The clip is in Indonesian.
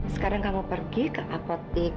sekarang kamu pergi ke apotik